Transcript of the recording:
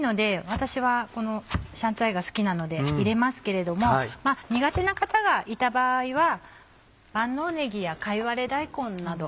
私はこの香菜が好きなので入れますけれども苦手な方がいた場合は万能ネギやかいわれ大根など。